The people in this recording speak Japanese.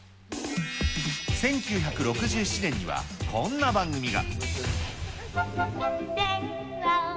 １９６７年には、こんな番組が。